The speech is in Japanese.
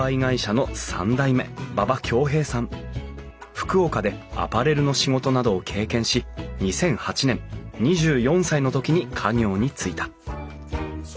福岡でアパレルの仕事などを経験し２００８年２４歳の時に家業に就いた。